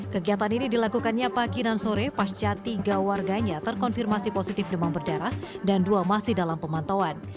kegiatan ini dilakukannya pagi dan sore pasca tiga warganya terkonfirmasi positif demam berdarah dan dua masih dalam pemantauan